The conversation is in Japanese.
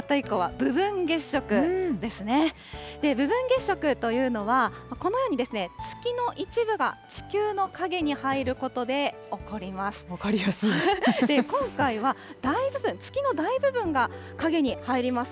部分月食というのは、このように、月の一部が地球の陰に入ることで起こります。